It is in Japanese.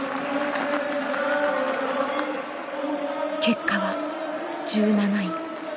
結果は１７位。